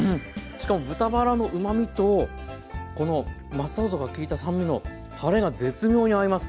しかも豚バラのうまみとこのマスタードが利いた酸味のたれが絶妙に合います。